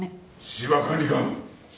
芝管理官！